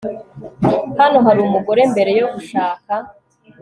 Hano hari umugore mbere yo kugushaka